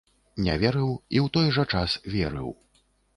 Не верыў, і ў той жа час верыў.